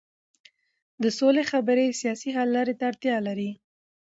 د سولې خبرې سیاسي حل لارې ته اړتیا لري